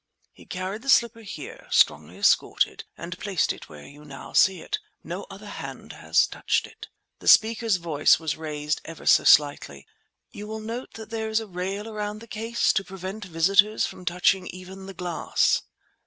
He carried the slipper here, strongly escorted, and placed it where you now see it. No other hand has touched it." (The speaker's voice was raised ever so slightly.) "You will note that there is a rail around the case, to prevent visitors from touching even the glass."